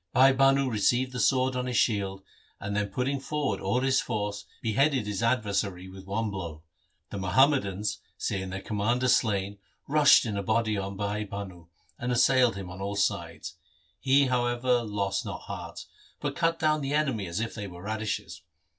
Bhai Bhanu received the sword on his shield, and then putting forward all his force, beheaded his adversary with one blow. The MUhammadans, see ing their commander slain, rushed in a body on Bhai Bhanu, and assailed him on all sides. He, however, lost not heart, but cut down the enemy as if they were radishes.